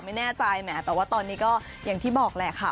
ไม่แน่ใจแหมแต่ว่าตอนนี้ก็อย่างที่บอกแหละค่ะ